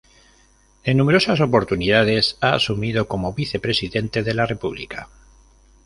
En numerosas oportunidades ha asumido como vicepresidente de la República.